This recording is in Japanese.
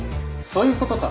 そういうことか。